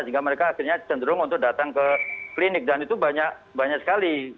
sehingga mereka akhirnya cenderung untuk datang ke klinik dan itu banyak sekali